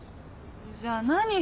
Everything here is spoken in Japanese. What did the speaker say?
じゃあ何？